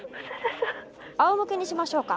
あおむけにしましょうか。